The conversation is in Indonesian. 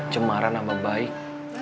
cemaran sama baik